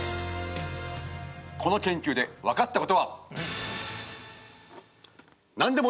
この研究で分かったことは。